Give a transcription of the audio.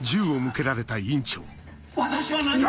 私は何も！